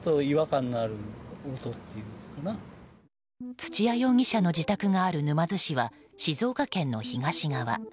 土屋容疑者の自宅がある沼津市は、静岡県の東側。